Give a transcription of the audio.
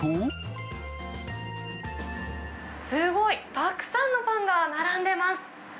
すごい、たくさんのパンが並んでます。